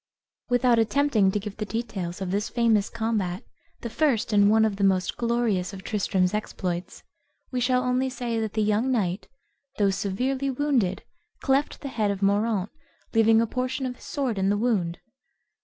Without attempting to give the details of this famous combat, the first and one of the most glorious of Tristram's exploits, we shall only say that the young knight, though severely wounded, cleft the head of Moraunt, leaving a portion of his sword in the wound.